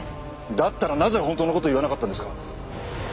だったらなぜ本当の事を言わなかったんですか？